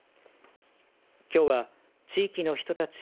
きょうは地域の人たち